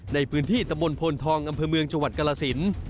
ในพื้นที่ตำบลโพนทองอำเภอเมืองจังหวัดกรสิน